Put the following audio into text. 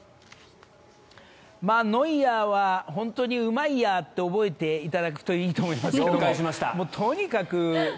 ノイアーは本当にうまいあーって覚えていただくといいかと思います。